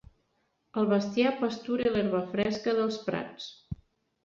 El bestiar pastura l'herba fresca dels prats.